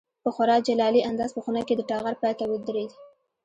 په خورا جلالي انداز په خونه کې د ټغر پای ته ودرېد.